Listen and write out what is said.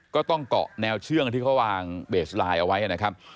ก็ต้องเกาะแนวเชื่องที่เขาวางเบสไลน์เอาไว้นะครับ